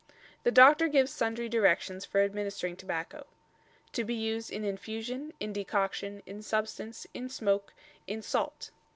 The doctor gives sundry directions for administering tobacco "to be used in infusion, in decoction, in substance, in smoke, in salt."